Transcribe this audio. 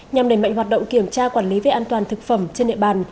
nhằm đẩy mạnh hoạt động kiểm tra quản lý về an toàn thực phẩm trên địa bàn